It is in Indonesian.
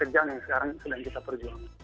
untuk anak anak yang sekarang sedang kita perjuangkan